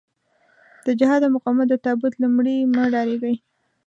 د جهاد او مقاومت د تابوت له مړي مه ډارېږئ.